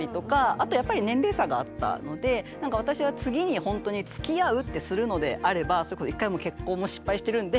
あとやっぱり年齢差があったので私は次にほんとにつきあうってするのであればそれこそ１回結婚も失敗してるんで。